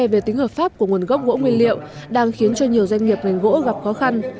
về tính hợp pháp của nguồn gốc gỗ nguyên liệu đang khiến cho nhiều doanh nghiệp ngành gỗ gặp khó khăn